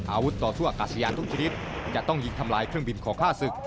ต่อสู้อากาศยานทุกชนิดจะต้องยิงทำลายเครื่องบินขอฆ่าศึก